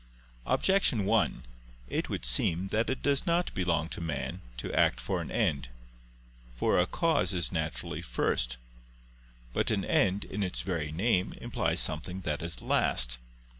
Objection 1: It would seem that it does not belong to man to act for an end. For a cause is naturally first. But an end, in its very name, implies something that is last.